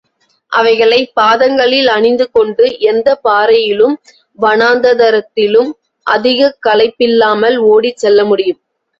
அவைகளைப் பாதங்களில் அனிந்துகொண்டு எந்தப் பாறையிலும் வனாந்தரத்திலும் அதிகக் களைப்பில்லாமல் ஓடிச் செல்ல முடியும்.